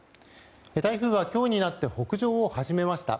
台風は今日になって北上を始めました。